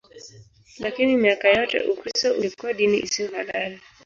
Lakini miaka yote Ukristo ulikuwa dini isiyo halali.